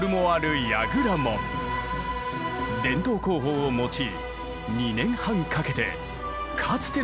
伝統工法を用い２年半かけてかつての姿がよみがえった。